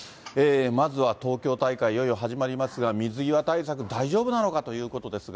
まずは東京大会、いよいよ始まりますが、水際対策、大丈夫なのかということですが。